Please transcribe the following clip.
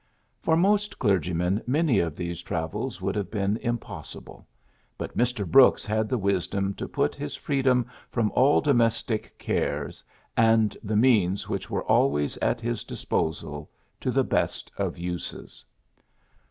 For most clergymen many of these travels would have been impossible j but Mr. Brooks had the wisdom to put his free dom from all domestic cares, and the means which were always at his dis posal, to the best of uses.